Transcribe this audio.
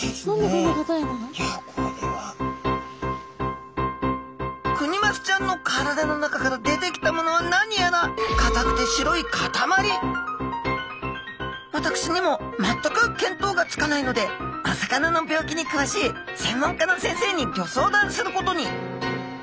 うわっクニマスちゃんの体の中から出てきたものは何やらかたくて私にも全く見当がつかないのでお魚の病気にくわしい専門家の先生にギョ相談することに！